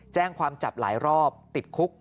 แจ้งความจับหลายรอบติดคุก